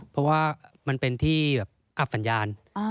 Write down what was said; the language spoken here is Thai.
เพราะว่ามันเป็นที่แบบอับสัญญาณ